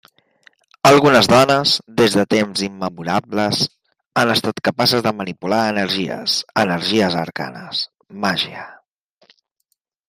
Algunes dones, des de temps immemorables, han estat capaces de manipular energies, energies arcanes, màgia.